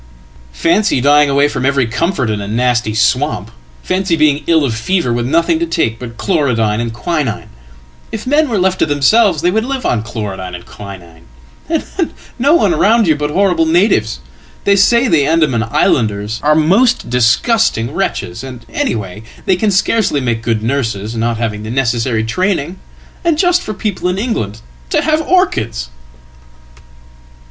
"Fancy dying away from every comfort in a nasty swamp! Fancy being ill offever with nothing to take but chlorodyne and quinine if men were left tothemselves they would live on chlorodyne and quinine and no one round youbut horrible natives! They say the Andaman islanders are most disgustingwretches and, anyhow, they can scarcely make good nurses, not having thenecessary training. And just for people in England to have orchids!""